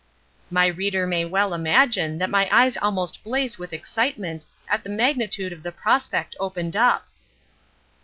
My reader may well imagine that my eyes almost blazed with excitement at the magnitude of the prospect opened up.